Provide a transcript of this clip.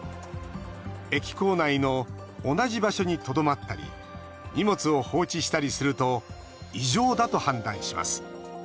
駅構内の同じ場所にとどまったり荷物を放置したりすると異常だと判断します。